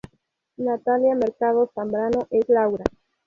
Natalia Mercado Zambrano es "Laura".